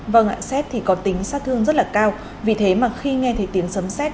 vâng ạ xét thì có tính sát thương rất là cao vì thế mà khi nghe thấy tiếng sấm xét